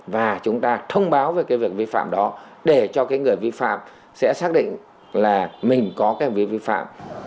và chúng ta thông báo về cái việc vi phạm đó để cho cái người vi phạm sẽ xác định là mình có cái việc vi phạm